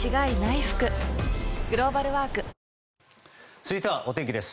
続いては、お天気です。